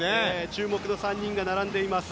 注目の３人が並んでいます。